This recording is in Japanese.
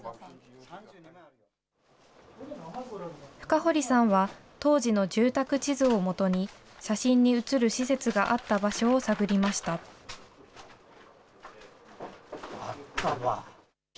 深堀さんは、当時の住宅地図をもとに、写真に写る施設があった場所を探りましあったわ。